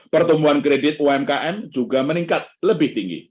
pertumbuhan kredit umkm juga meningkat lebih tinggi